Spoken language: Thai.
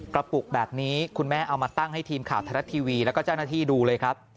ปุกแบบนี้คุณแม่เอามาตั้งให้ทีมข่าวไทยรัฐทีวีแล้วก็เจ้าหน้าที่ดูเลยครับ